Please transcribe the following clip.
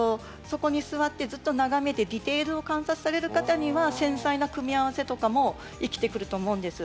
そこに座ってずっと眺めてディテールを観察される方には繊細な組み合わせとかも生きてくると思うんです。